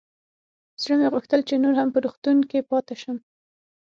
زړه مې غوښتل چې نور هم په روغتون کښې پاته سم.